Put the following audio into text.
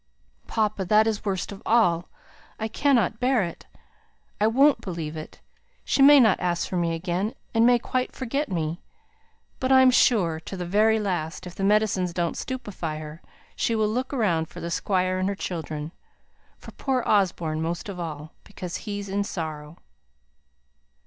"Papa, that is worst of all. I cannot bear it. I won't believe it. She may not ask for me again, and may quite forget me; but I'm sure, to the very last, if the medicines don't stupefy her, she will look round for the squire and her children. For poor Osborne most of all; because he's in sorrow."